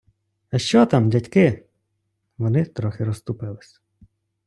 - А що там, дядьки? Вони трохи розступились.